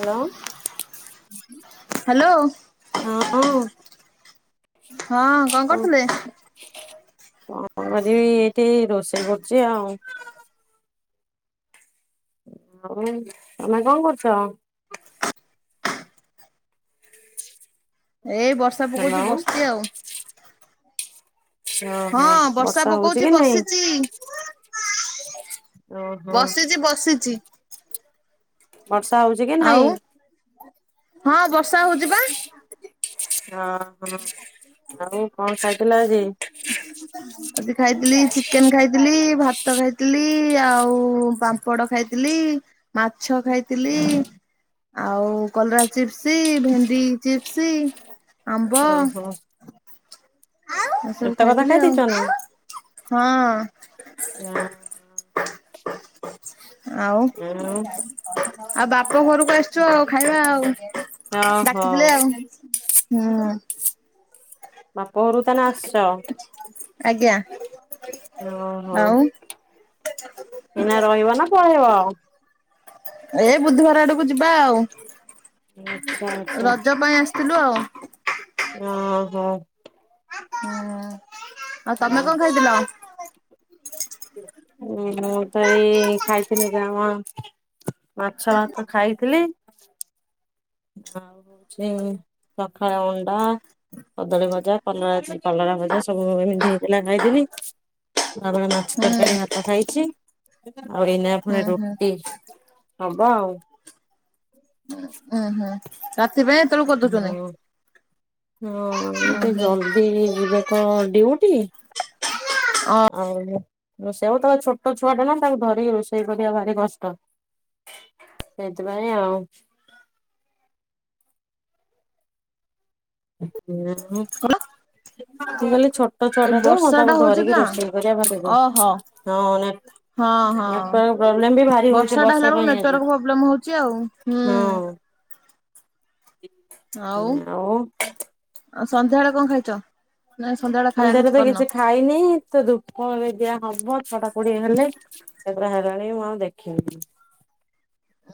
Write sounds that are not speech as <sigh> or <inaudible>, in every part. Hello. Hello. ହଁ। ହଁ କଣ କରୁଥିଲେ? <unintelligible> କଣ କରିବି ଏଇଠି ରୋଷେଇ କରୁଛି ଆଉ। ଆଉ ଏମ ତମେ କଣ କରୁଛ? ଏ ବର୍ଷା ହ୍ୟାଲୋ ପକଉଛି ବସିଛି ଆଉ। ଓହୋ ହଁ ବର୍ଷା ହଉଛି ପକଉଛି କି ନାଇଁ? ବସିଚି। ଓହୋ ବସିଚି ବସିଚି। ବର୍ଷା ହଉଛି କି ଆଉ ନାଇଁ? ହଁ ବର୍ଷା ହଉଛି ପା। ହଁ ହଁ ଆଉ କଣ ଖାଇଥିଲ ଆଜି? ଆଜି ଖାଇଥିଲି ଚିକେନ ଖାଇଥିଲି। ଭାତ ଖାଇଥିଲି, ଆଉ ପା ମ୍ପଡ ଖାଇଥିଲି, ମାଛ ଖାଇଥିଲି। ଆଉ କଲରା ଚିପ୍ସି ଭେଣ୍ଡି ଚିପ୍ସି, ଆମ୍ବ। ଓହୋ ଆଉ ସବୁ ଏତେ କଥା ଖାଇଥିଲି ଖାଇ ଆଉ ଦେଇଛ ନା? ହଁ। ଆଉ? ଆଉ ବାପ ଘରକୁ ଆସିଛ ଆଉ ଖାଇବା ଆଉ ଓହୋ ଡାକିଥିଲେ ଆଉ। ହୁଁ। ବାପଘରକୁ ତାନେ ଆସିଛ? ଆଜ୍ଞା। ଓହୋ ଆଉ ଏନା ରହିବ ନା ପଳେଇବ? ଏଇ ବୁଧବାର ଆଡୁକୁ ଯିବା ଆଉ ଆଚ୍ଛା ଆଚ୍ଛା ରଜ ପାଇଁ ଆସି ଥିଲୁ ଆଉ। ଆଁ ହୋ। ହୁଁ ଆଉ ତମେ କଣ ଖାଇଥିଲ? ମୁଁ ତ ଏଇ ଖାଇଥିଲି ଯାହା ମାଛ ଭାତ ଖାଇଥିଲି। ଆଉ ହଉଛି ସକାଳେ ଅଣ୍ଡା କଦଳୀ ଭଜା, କଲ କଲରା ଭଜା ସବୁ ଏମିତି ହେଇଥିଲା ଖାଇଥିଲି ତାବେଳେ ମାଛ ତରକାରୀ ଭାତ ଖାଇଚି। ଆଉ ଏଇନା ଉୁଁ ପୁଣି ହୁଁ ରୁଟି ହବ ଆଉ ଉୁଁ ହୁଁ ରାତି ପାଇଁ ଏତେବଳୁ କରିଦଉଛନ୍ତି? ହଁ ହଁ ଉଁ ଟିକେ ହୁଁ ଜଲଦି ଯିବେ ତ ଡିଉଟି ଅ ଆଉ ରୋଷେଇ ହଉ ତାପରେ ଛୋଟ ଛୁଆ ଟା ନା ତାଙ୍କୁ ଧରିକି ରୋଷେଇ କରିବା ଭାରି କଷ୍ଟ ହେଇଥିପାଇଁ ଆଉ <unintelligible> କଣ? ମୁଁ କହିଲଲି ଛୋଟ ଛୁଆ ଏ ଟା ତ ବର୍ଷା ଟା ତାଙ୍କୁ ହଉଛି ଧରିକି ନା ରୋଷେଇ କରିବା ଭାରି ହଁ ଓହୋ ହଁ ହଁ। ନା କଣ ପ୍ରୋବ୍ଲେମ ବି ଭାରି ହଉଛି ଟା ହେଲା ବର୍ଷା ବେଳକୁ ପାଇଁ ନେଟୱାର୍କ ଆଜି ପ୍ରୋବ୍ଲେମ ହଉଛି ଆଉ ହୁଁ ହଁ ଆଉ ସନ୍ଧ୍ୟା ବଳେ କଣ ଖାଇଛ ନା ସନ୍ଧ୍ୟାବେ ମନ୍ଦିରରେ ତ କିଛି ଖାଇନି ତ ଧୂପର ଦିଆ ହବ ଛଟା କୋଡିଏ ହେଲେ କେତେଟା ହେଲାଣି ମୁଁ ଆଉ ଦେଖିନି।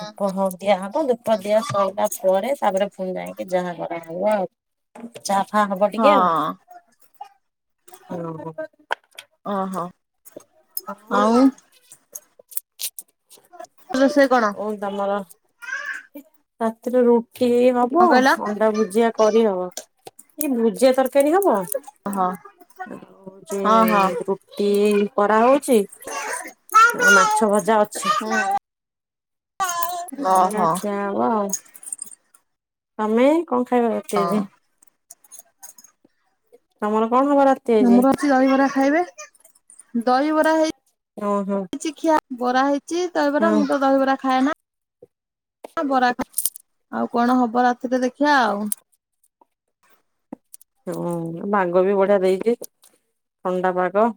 ଧୂପ ଦିଆ ହବ ପ ଦିଆ ସୋଇିଲା ପରେ ତାପରେ ଫୁଣି ଯାଇକି ଯାହା କରାହବ ଆଉ ଚା ଫା ହବ ହଁ ଟିକେ ଆଉ ହଁ ଓହୋ ଆଉ ରୋଷେଇ କଣ? ଆଉ ତମର ରାତିରେ ରୁଟି ଏଇ ହବ କଣ କହିଲ ଅଣ୍ଡା ଭୁଜିଆ କରିହବ ଏଇ ଭୁଜିଆ ତରକାରୀ ହବ ଓହୋ ଆଉ ହଉଛି ହଁ ହଁ ରୁଟି କରା ହଉ ଚି ଆଉ ମାଛ ଭଜା ଅଛି। ହୁଁ ଏଇଆ ଓହୋ ଖିଆ ହବ ଆଉ ତମେ କଣ ଖାଇବ? ରାତି ହଁ। ଆଜି? ତମର କଣ ଖବର ଅ? ଆମର ଅଛି ଦହିବରା ଖାଇବେ ଦହିବରା ହେଇ ଓହୋ। କିଛି ଖିଆ ବରା ହେଇଚି ଦହିବରା ହଁ ମୁଁ ତ ଦହିବରା ଖାଏ ନା। ହ ବରା ଆଉ କଣ ହବ ରାତିରେ ଦେଖିବା ଆଉ। ହଁ ପାଗ ବି ବଢିଆ ଦେଇଛି ଥଣ୍ଡା ପାଗ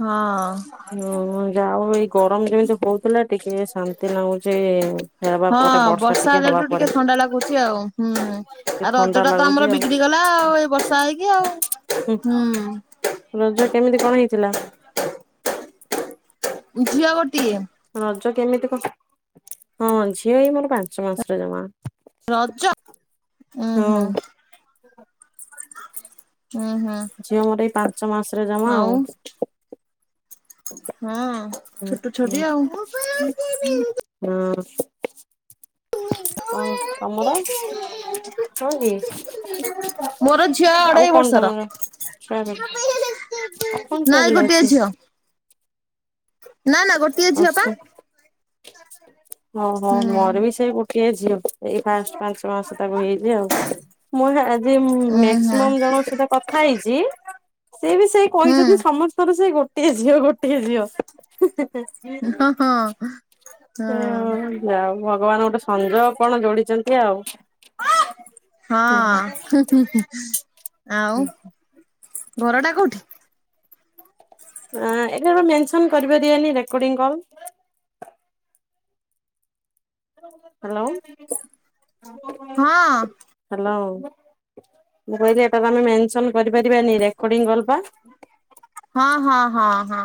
ହଁ ଅଁ ହୁଁ ଯାଉ ଏଇ ଗରମ ଯେମିତି ହଉଥିଲା ଟିକେ ଶାନ୍ତି ଲାଗୁଚି ଏ ହଁ ବର୍ଷା ହେଲାଠୁ ଟିକେ ଥଣ୍ଡା ଲାଗୁଚି ଆଉ। ହୁଁ ଟିକେ ଆଉ ଥଣ୍ଡା ରଜଟା ତ ଲାଗୁଛି ଆମର ଆଉ। ବିଗିଡିି ଗଲା ଆଉ ଏଇ ବର୍ଷା ହେଇକି ଆଉ ହୁଁ ରଜ କେମିତି କଣ ହେଇଥିଲା? ଝିଅ ଗୋଟିଏ। ରଜ କେମିତି କ ହଁ ଝିଅ ହଇ ମୋର ପାଞ୍ଚ ମାସର ଜମା। ରଜ ହଁ ଓହୋ। ଝିଅ ମୋର ଏଇ ପାଞ୍ଚ ମାସରେ ଜମା ଆଉ। ହଁ ଛୋଟଛୁଆଟି ଆଉ। <unintelligible> କଣ, ତମର କଣ କି? ମୋର ଝିଅ ଆଉ ଅଢେଇ କଣ, ବର୍ଷର ତମର ଛୁଆବି ଆଉ କଣ, ପୁଆ ନାଇଁ ପିଲା ଗୋଟିଏ ଅଛି? ଝିଅ ନା ନା ଗୋଟିଏ ଆର ଝିଅ ପା ସବ ଓହ ହୁଁ ମୋର ବି ସେଇ ଗୋଟିଏ ଝିଅ। ଏଇ ପାଞ୍ଚ ପାଞ୍ଚ ମାସ ତାକୁ ହେଇଛି ଆଉ ମୁଁ ଆଜି ଉଁ ମେକ୍ସିମ ହୁଁ ଜଣ ସହିତ ସେଥ୍ ଖାଇଚି, ସେ ବି। ସେ କହିଛନ୍ତି, ସମସ୍ତଙ୍କ ସେ ଗୋଟ୍ ତେଏ, ଝିଅ ଗୋଟିଏ ଝିଅ। ହଁ ହଁ ହଁ। ଯାହା ହଉ, ଭଗବାନ ଗୋଟେ ସଂଞୟ କଣ ଯୋଡ଼ିଚନ୍ତି ଆଉ। ହଁ ହୁଁ ହୁଁ ଆଉ। ଘର ଟା କୋଉଠି? ଏଁ, ଏବେତ ମେନସନ କରିପାରିବେନି, ରେକର୍ଡିଂ କଲ ହ୍ୟାଲୋ। ହଁ। ହ୍ୟାଲୋ, ମୁଁ କହିଲି, ଏଟା ତମେ ମେନସନ କରିପାରିବାନି, ରେକର୍ଡିଙ୍ଗ କଲପା। ହଁ ହଁ ହଁ ହଁ,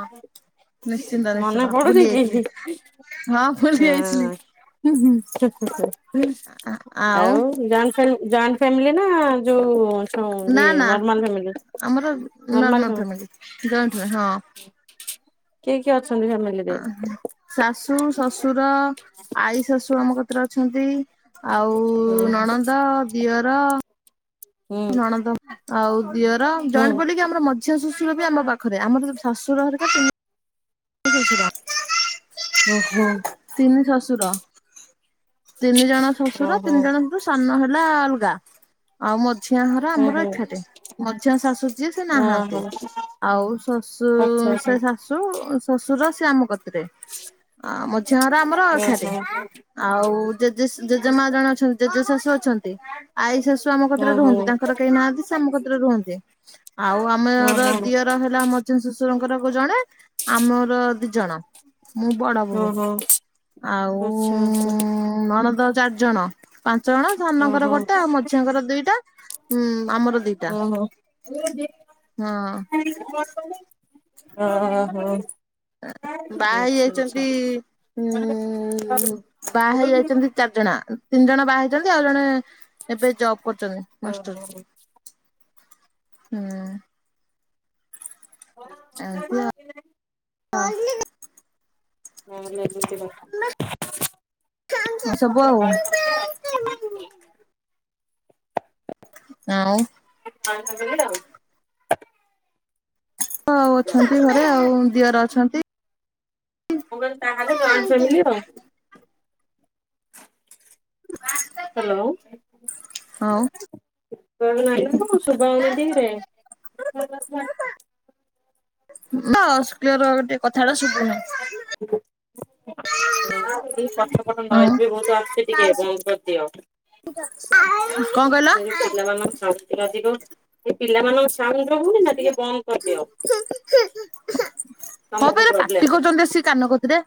ନିଶ୍ଚିନ୍ତ, ମନେ ନିଶ୍ଚିନ୍ତ, ପଡୁନି ଭୁଲି ଯାଇଥିଲି। କି? ହଁ, ଭଲି ଯାଇଥିଲି, ଉହୁଁ ହଁ। ଆଉ। ମାନ ଜଏଣ୍ଟ ଫ୍ୟାମିଲି ନା, ଯୋଉଁ ସଅଁ ନା ଏ ନା ନର୍ମାଲ୍ ମେଡ୍-ମେଡି ଆମର ନର୍ମାଲ୍ ନର୍ମାଲ ହଁ। ଫ୍ୟାମିଲି ଜଏଣ୍ଟ ହଁ କିଏ କିଏ ଅଛନ୍ତି ଫେମିଲିରେ। ଶାଶୁ, ଶଶୁର ଆଈ ଶାଶୁ ଆମ କତରେ ଅଛନ୍ତି। ଆଉ ନଣନ୍ଦ, ଦିଅର। ଉଁ ଣନ୍ଦ ଆଉ ଦିଅର ଜଣ୍ ପଲିକି ଆମର ମଝିଆଁ ଶଶୁର ବି ଆମ ଗାଁ- ଖରେ ଆମକୁ ଶାଶୁର ଘରିକା ତିନି <inaudible> <unintelligible> ଓ-ହୋ- ତିନି ଶଶୁର, ତିନି ଜଣ ଶଶୁର ଓହୋ ତିନି ଜଣ- ଉଇ ସାନ ହେଲା ଅଲ୍ଗା- ଆଉ ମଝିଆ ଘର ହୁଁ ଆମର ଘର ହୁଁ ଏଠାଟେ ମଝିଆ ଶାଶୁ ଯିଏ ସେ ନାହାନ୍ତି। ଓହୋ ଆଉ ଆଚ୍ଛା ଶଶୁ- ଆଚ୍ଛା ସେଶା ଶୁ- ଶଶୁର ସେ ଆମ କତିରେ ଆ- ମଝିଆଁର ଆମର ଏଖାଟେ। ଆଉ ଜେଜେ ଜେଜେ ମା ଜଣେ ଅଛନ୍ତି ଜେଜେ ଶାଶୁ ଅଛନ୍ତି ଆଈ ଶାଶୁ ଆମ କତିରେ ଓହୋ ଓହୋ ରୁହନ୍ତି। ତାଙ୍କର କେହି ନାହାନ୍ତି, ସେ ଆମ କତିରେ ରୁହନ୍ତି, ଆଉ ଆମେର ଦିଅର୍। ଆମର ହେଲା ଆମ ଶ୍ୱଶୁରଙ୍କର ଜଣେ, ଆମର ଦିଇ ଜଣ, ମୁଁ ବଡ ବୋହୁ। ଓହୋ ଓହୋ ଆଉ ଆଚ୍ଛା ଆଚ୍ଛା ନଣଦ ଚାରଜଣ ପାଞ୍ଚ ଜଣ। ସାନଙ୍କର ଓହୋ ଗୋଟେ ଆଉ ମଝିଆଙ୍କର ଦୁଇଟା ଉଁ ଆମର ଦିଇଟା। ଓହୋ। ଆଚ୍ଛା ହଁ। <unintelligible> ଓହୋ। ବାହା ହେଇ ଯାଇଛନ୍ତି ଉ ବାହା ହେଲେ ଏତନିକ ଚାର ଜଣା ତିନି ଜଣ ବାହାିଛନ୍ତି, ଆଉ ଜଣେ ଏବେ ଜବ କରୁଛନ୍ତି ମାସଟର। ହୁଁ। ଏମତି ଆଉ <inaudible> <unintelligible> କଣ <unintelligible> <unintelligible> ଆଁଉ <unintelligible> <unintelligible> ଅଛନ୍ତି ଘରେ ଆଉ ଦିଅର ଅଛନ୍ତି। ମୁଁ କହିଲି ତାହେଲେ ଜଏଣ୍ଟ ଫ୍ୟାମିଲି ଆଉ। <unintelligible> ହାଲୋ। ହଉ। <unintelligible> <unintelligible> <unintelligible> ଟିକେ ହଁ ବନ୍ଦ କରିଦିଅ। କଣ କହିଲ? <unintelligible> ଟିକେ ଅଧିକ ସେ ପିଲାମାନଙ୍କ ସାଉଷ୍ଟୁ ହୋଉନି ନା ଟିକେ ବନ୍ଦ କରିଦିଅ। ହଁ ତମକୁ ପରା ପାଟି ପ୍ରୋବ୍ଲେମ୍ କରୁଚନ୍ତି ଆସି କାନ କତିରେ।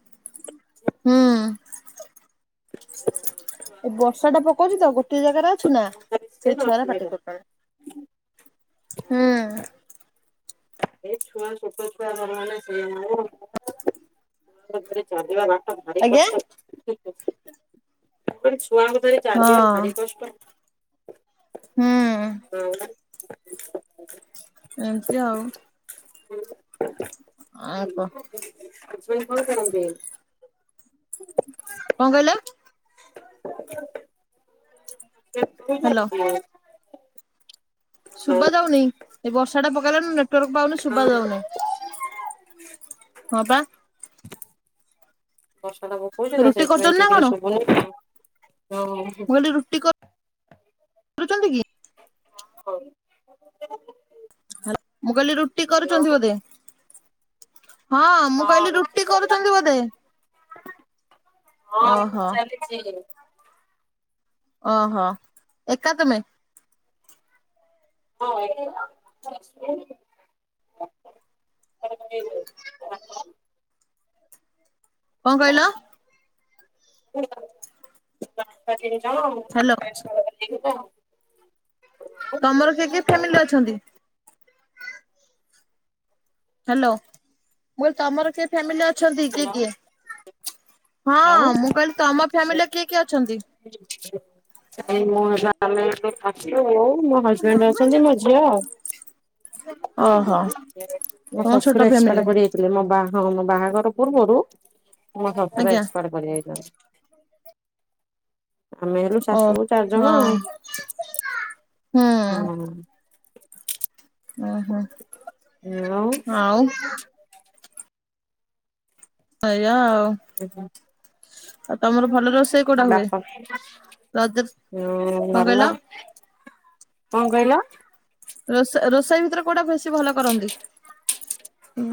<inaudible> ଏ ବର୍ଷା ଟା ପକଉଚି ତ ଗୋଟେ ଜାଗାରେ ଅଛୁ ନା ସେଇ ଛୁଆରା ପାଟି ଅସୁବିଧା। କରୁ ଚନ୍ତି। ହୁଁ <unintelligible> <unintelligible> ଚାଲିବା ଭାରି ଆଜ୍ଞା କଷ୍ଟ। ହୁଁ। <unintelligible> ଏମିତି ଆଉ। <unintelligible> ହଜବେଣ୍ଡ କଣ କରନ୍ତି? କଣ କହିଲ? ହ୍ୟାଲୋ <unintelligible> ଶୁବା ଯାଉନି ଏ ବର୍ଷା ଟା ପକେଇଲାନ ନେଟୱାର୍କ ପାଉନି। ଶୁବା ହଁ ଯାଉନାଇଁ। ବର୍ଷା ଟା ପକଉଚି ତ ରୁଟି ସେଇଥିପାଇଁ କରୁଛନ୍ତି ନା ଠିକରେ କଣ ଶୁବୁନି। <unintelligible> <unintelligible> ରୁଟି କର୍। କରୁଚନ୍ତି କି? <unintelligible> ମୁଁ କଇଲି ରୁଟି ହ୍ୟାଲୋ କରୁଚନ୍ତି ବୋଧେ? ହଁ ମୁଁ କଇଲି ରୋଷେଇ ରୁଟି ଚାଲିଛି କରୁଚନ୍ତି ବୋଧେ। ଅ ହ। ଚିକେନ। ଅ ହ ଏକା ତୁମେ? <unintelligible> <unintelligible> କଣ କଇଲ? ହ୍ୟାଲୋ। <unintelligible> ତମର କେ କିଏ ଫ୍ୟାମିଲି ଅଛନ୍ତି? ହ୍ୟାଲୋ ମୁ କଲି ତମର କିଏ ଫ୍ୟାମିଲି ଅଛନ୍ତି କିଏ କିଏ? ହଁ ଆଉ ମୁଁ କଇଲି ତମ ଫ୍ୟାମିଲିରେ କିଏ କିଏ ଅଛନ୍ତି? ସେଇ ମୁ ହେଲା ଆମେ ଆଛୁ, ବୋଉ, ମୋ ହଜବେଣ୍ଡ ଅଛନ୍ତି, ମୋ ଝିଅ ଆଉ। ଓ। ମୋ ଶଶୁର ଏକ୍ସପାଡ୍ କରି ଥିଲେ ମୋ ବାହା ମୋ ବାହାଘର ପୂର୍ବରୁ ମୋ ଶଶୁର ଆଜ୍ଞା ଏକ୍ସପାଡ୍ କରି ଯାଇଚନ୍ତି। ଆମେ ହେଲୁ ଓ ଶାଶୁ ବୋଉ ଚାରି ହଁ ଜଣ ଆଉ, ହୁଁ ହଁ। ଓହୋ ଆଉ ଆଉ। ଏୟା ଆଉ। ଆଉ ତମର ଭଲ ରୋଷେଇ କୋଉଟା ହୁଏ ଲାପପ୍ ରଜ ହୁଁ କଣ କହିଲ? ଭଲ କଁ କହିଲ? ରୋଷ ରୋଷେଇ ଭିତରେ କୋଉଟା ବେଶୀ ଭଲ କରନ୍ତି?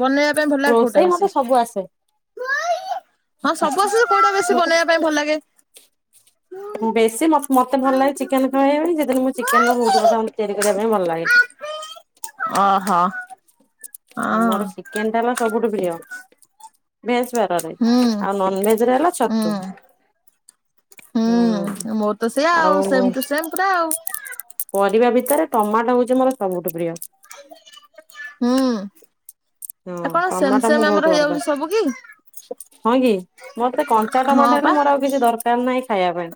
ବନେଇବା ପାଇଁ ଭଲ ଲାଗେ କୋଉଟା ରୋଷେଇ ବେଶୀ? ମତେ ସବୁ ଆସେ। ହଁ ସବୁ ଆସେ ଯେ କୋଉଟା ବେଶୀ ମତେ ବନେଇବା ପାଇଁ ଭଲ ଲାଗେ? ବେଶୀ ମତ୍ ମତେ ଭଲ ଲାଗେ ଚିକେନ ଖାଇଆ ପାଇଁ ସେଥିିନ ମୁଁ ଚିକେନ ର ବୋହୁତ କଥା ଅମ୍ ତିଆରି କରିବା ପାଇଁ ଭଲ ଲାଗେ। ଓହୋ। ହଁ ମୋର ଚିକେନ ଟା ଏଲା ସବୁଠୁ ପ୍ରିୟ। ଭେଜ୍ ବାରରେ ହୁଁ ଆଉ ନନଭେଜ ରେ ହେଲା ଛତୁ। ହୁଁ। ହୁଁ ମୋର ତ ସେଇଆ ସେମ ଆଉ ଟୁ ସେମ ପୁରା ଆଉ ପରିବା ଭିତରେ ଟମାଟୋ ହୋଉଛି ମୋର ସବୁଠୁ ପ୍ରିୟ। ହ ହୁଁ। ହଁ ଆଉ କଣ ସେମ ଟମାଟୋ ସେମ ମୁଁ ଆମର ବୋହୁତ ହେଇଯାଉଛି ସବୁ କି ଭଲପାଏ। ହଁ କି ମତେ କଞ୍ଚା ହଁ ଟମାଟୋ ପା ହେଲେ ମୋର ଆଉ କିଛି ଦରକାର ନାହିଁ ଖାଇବା ପାଇଁ।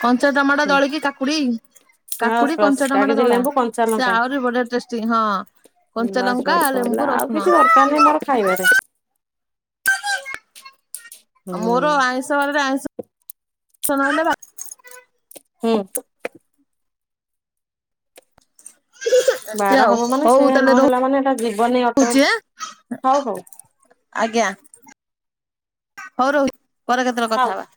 କଞ୍ଚା ଟମାଟୋ ହୁଁ ଦଳିକି କାକୁଡ଼ି ବାସ୍ କାକୁଡି, ବାସ୍ କଞ୍ଚା ତା ଟମାଟୋ କିଛି ଦଳା ଲେମ୍ବୁ କଞ୍ଚା ସେ ଲଙ୍କା ଆହୁରି ବଢିଆ ଟେଷ୍ଟି ହଁ। କଞ୍ଚାଲଙ୍କା, ଆ ଲେମ୍ବୁ, ରସୁଣ। କାନେ ମୋର ଖାଇବାରେ। ହଁ ଆ ମୋର ଆଇଁଷ ବାରରେ ଆଇଁଷ ଷ ନହଲେ ଭା ହୁଁ। ଏମ୍ତି ବାର ଆଉ ହବ ମାନେ ସେ ହୋଉ ତାଲେ ରୋହୁ ନହେଲା ମାନେ ଏଟା ଯିବନି ରହୁଚି ଅଟୋମେଟିକ ଆଁ? ହଉ ହଉ ଆଜ୍ଞା ହୋଉ ରୋହୁଚି ପରେ କେତେବେଳେ ଥାଉ। କଥା ହବା।